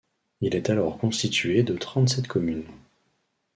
Il est alors constitué de trente-sept communes.